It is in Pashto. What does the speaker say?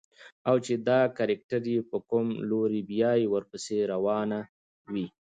او چې دا کرکټر يې په کوم لوري بيايي ورپسې روانه وي.